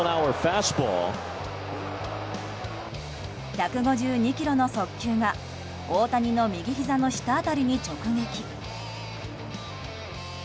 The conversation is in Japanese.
１５２キロの速球が大谷の右ひざの下辺りに直撃。